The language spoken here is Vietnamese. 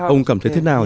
ông cảm thấy thế nào